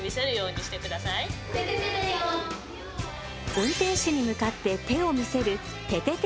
運転手に向かって手を見せるててて！